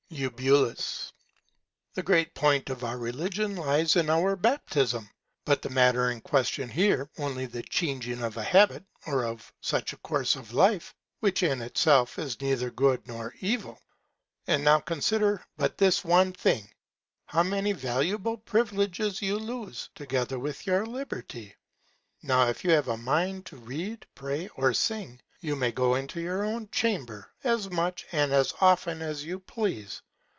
Eu. The great Point of our Religion lies in our Baptism: But the Matter in Question here is, only the changing of a Habit, or of such a Course of Life, which in itself is neither Good nor Evil. And now consider but this one Thing, how many valuable Privileges you lose, together with your Liberty. Now, if you have a Mind to read, pray, or sing, you may go into your own Chamber, as much and as often as you please.